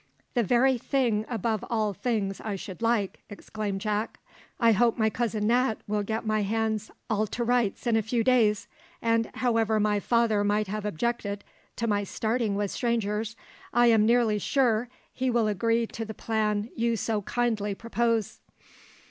"The very thing above all things I should like," exclaimed Jack. "I hope my Cousin Nat will get my hands all to rights in a few days; and however my father might have objected to my starting with strangers, I am nearly sure he will agree to the plan you so kindly propose."